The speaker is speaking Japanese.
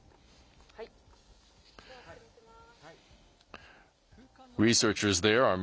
では失礼します。